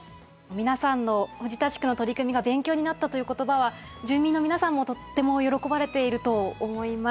皆さんの藤田地区の取り組みが勉強になったという言葉は住民の皆さんもとっても喜ばれていると思います。